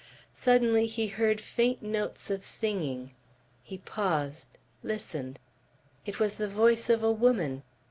Suddenly he heard faint notes of singing. He paused, listened. It was the voice of a woman.